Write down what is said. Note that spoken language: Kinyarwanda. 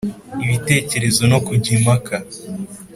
ibitekerezo no kujya impaka